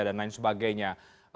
dan lain sebagainya